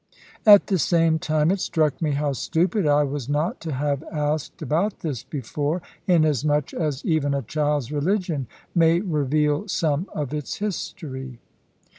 At the same time it struck me how stupid I was not to have asked about this before, inasmuch as even a child's religion may reveal some of its history.